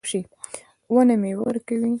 ونه میوه ورکوي